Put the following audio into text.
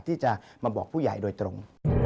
ที่จะมาบอกผู้ใหญ่โดยตรง